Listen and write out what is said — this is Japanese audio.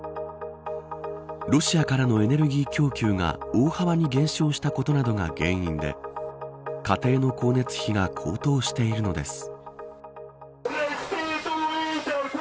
ロシアからのエネルギー供給が大幅に減少したことなどが原因で家庭の光熱費が高騰しているのです。